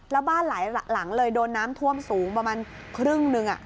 แล้วบ้านหลายหลังเลยโดนน้ำท่วมสูงประมาณครึ่งนึง